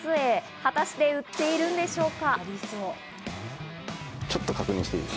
果たして売っているんでしょうか？